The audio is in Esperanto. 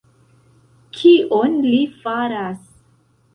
Kion li faras...?